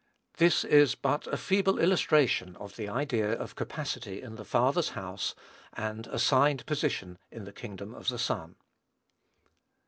This is but a feeble illustration of the idea of capacity in the Father's house, and assigned position in the kingdom of the Son.